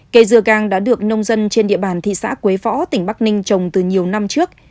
cây dừa gang đã được nông dân trên địa bàn thị xã quế võ tỉnh bắc ninh trồng từ nhiều năm trước